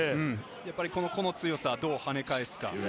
個の強さをどう、はね返すか。